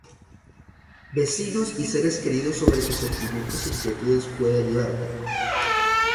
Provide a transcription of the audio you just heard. vecinos y seres queridos sobre tus sentimientos e inquietudes puede ayudarte